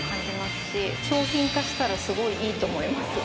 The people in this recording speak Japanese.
商品化したらすごいいいと思います。